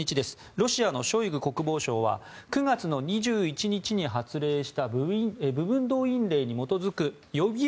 ロシアのショイグ国防相は９月２１日に発令した部分動員令に基づく予備役